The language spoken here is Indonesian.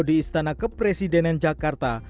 di istana kepresidenan jakarta